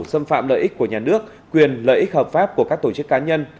xâm phạm lợi ích của nhà nước quyền lợi ích hợp pháp của các tổ chức cá nhân